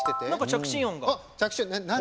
着信音何？